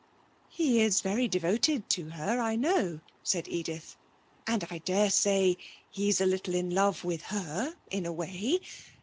'He is very devoted to her, I know,' said Edith, 'and I daresay he's a little in love with her in a way.